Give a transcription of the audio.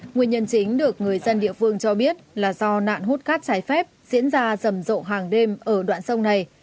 nguyên nhân chính được người dân địa phương cho biết là do nạn hút cát trái phép diễn ra rầm rộ hàng đêm ở đoạn sông này